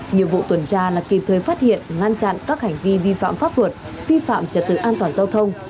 nhiệm vụ tuần tra là kịp thời phát hiện ngăn chặn các hành vi vi phạm pháp luật vi phạm trật tự an toàn giao thông